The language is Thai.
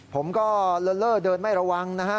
ผมก็เลอเดินไม่ระวังนะฮะ